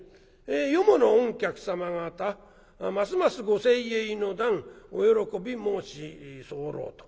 『よもの御客様方ますますご清栄の段お喜び申し候』と。